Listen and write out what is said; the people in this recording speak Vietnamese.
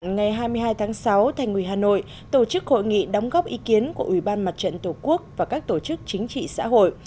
ngày hai mươi hai tháng sáu thành ủy hà nội tổ chức hội nghị đóng góp ý kiến của ủy ban mặt trận tổ quốc và các tổ chức chính trị xã hội